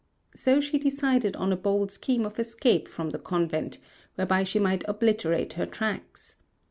So she decided on a bold scheme of escape from the convent, whereby she might obliterate her tracks.